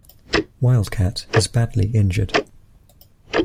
Wildcat is badly injured.